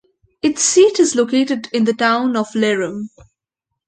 Its seat is located in the town of Lerum.